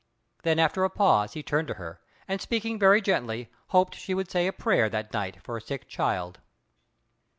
Then after a pause he turned to her, and speaking very gently, hoped she would say a prayer that night for a sick child.